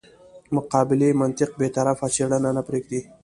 مقابلې منطق بې طرفه څېړنه نه پرېږدي.